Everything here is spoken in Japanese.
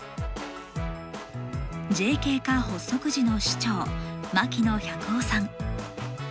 ＪＫ課発足時の市長牧野百男さん。